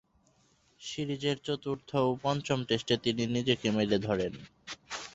সিরিজের চতুর্থ ও পঞ্চম টেস্টে তিনি নিজেকে মেলে ধরেন।